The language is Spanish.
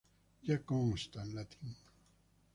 Ya consta en latín.